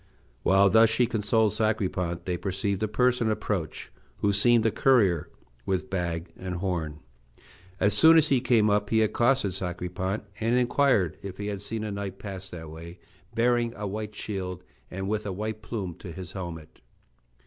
While she thus consoled Sacripant they perceived a person approach, who seemed a courier, with bag and horn. As soon as he came up, he accosted Sacripant, and inquired if he had seen a knight pass that way, bearing a white shield and with a white plume to his helmet.